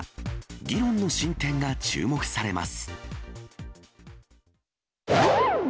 議論の進展が注目されます。